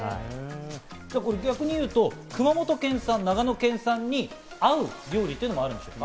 逆にいうと熊本県産、長野県産に合う料理というのもあるんですか？